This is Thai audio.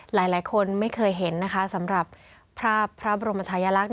หลายคนไม่เคยเห็นนะคะสำหรับภาพพระบรมชายลักษณ